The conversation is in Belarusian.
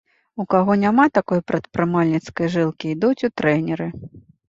У каго няма такой прадпрымальніцкай жылкі, ідуць у трэнеры.